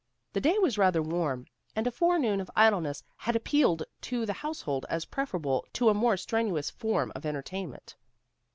The day was rather warm, and a forenoon of idleness had appealed to the household as preferable to a more strenuous form of entertainment.